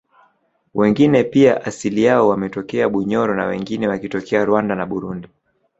wengine pia asili yao wametokea Bunyoro na wengine wakitokea Rwanda na Burundi